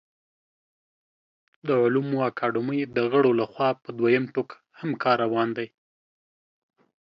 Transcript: د علومو اکاډمۍ د غړو له خوا په دویم ټوک هم کار روان دی